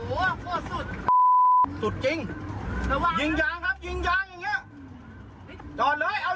เวียกไปเฉยเลยนั่น